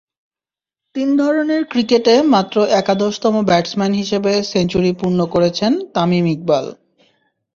তিন ধরনের ক্রিকেটে মাত্র একাদশতম ব্যাটসম্যান হিসেবে সেঞ্চুরি পূর্ণ করেছেন তামিম ইকবাল।